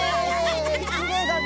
きれいだね！